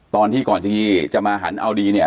ตอนที่ก่อนที่จะมาหันเอาดีเนี่ย